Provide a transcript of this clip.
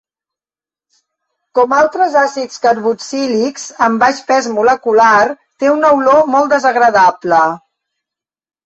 Com altres àcids carboxílics amb baix pes molecular, té una olor molt desagradable.